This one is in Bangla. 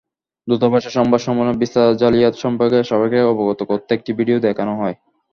দূতাবাসের সংবাদ সম্মেলনে ভিসা জালিয়াত সম্পর্কে সবাইকে অবগত করতে একটি ভিডিও দেখানো হয়।